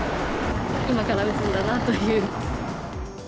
今から打つんだなという。